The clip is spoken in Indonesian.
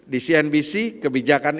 di cnbc kebijakan